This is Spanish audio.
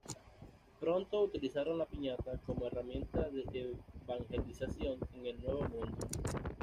Pronto utilizaron la piñata como herramienta de evangelización en el Nuevo Mundo.